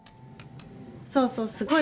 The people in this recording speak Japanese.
そうそうすごい